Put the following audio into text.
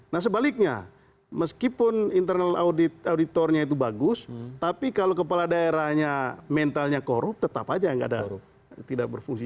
nah sebaliknya meskipun internal auditornya itu bagus tapi kalau kepala daerahnya mentalnya korup tetap aja tidak berfungsi